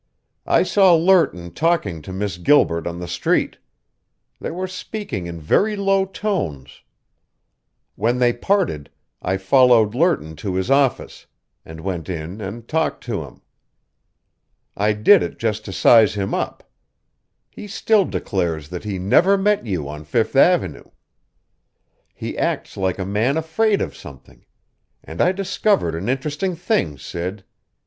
I saw Lerton talking to Miss Gilbert on the street. They were speaking in very low tones. When they parted, I followed Lerton to his office, and went in and talked to him. I did it just to size him up. He still declares that he never met you on Fifth Avenue. He acts like a man afraid of something; and I discovered an interesting thing, Sid.